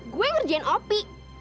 gue yang ngerjain opi